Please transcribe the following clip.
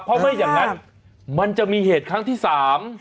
เพราะไม่อย่างนั้นมันจะมีเหตุครั้งที่สาม